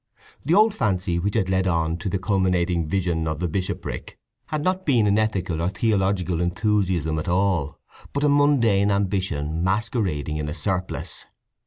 The old fancy which had led on to the culminating vision of the bishopric had not been an ethical or theological enthusiasm at all, but a mundane ambition masquerading in a surplice.